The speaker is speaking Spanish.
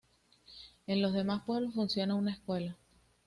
En los demás pueblos funciona una escuela.